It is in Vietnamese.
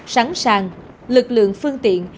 sẵn sàng lực lượng phương tiện